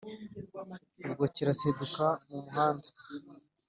Ubwo kiraseduka mu muhanda